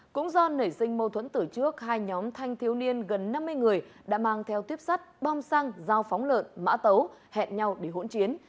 cũng do nảy sinh mâu thuẫn tử trước hai nhóm thanh thiếu niên gần năm mươi người đã mang theo tuyếp sắt bom xăng dao phóng lợn mã tấu hẹn nhau để hỗn chiến